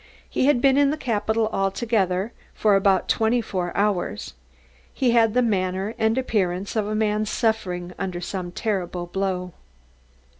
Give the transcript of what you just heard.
He had been in the capital altogether for about twenty four hours. He had the manner and appearance of a man suffering under some terrible blow.